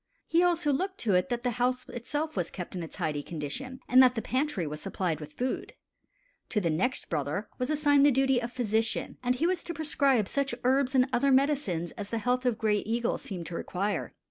He also looked to it that the house itself was kept in a tidy condition, and that the pantry was supplied with food. To the next brother was assigned the duty of physician, and he was to prescribe such herbs and other medicines as the health of Gray Eagle seemed to require.